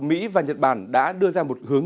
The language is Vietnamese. mỹ và nhật bản đã đưa ra một hướng